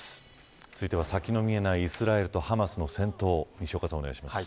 続いては先の見えないイスラエルとハマスの戦闘西岡さん、お願いします。